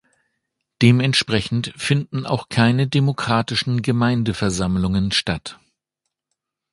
Dementsprechend finden auch keine demokratischen Gemeindeversammlungen statt.